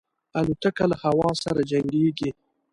الوتکه له هوا سره جنګيږي.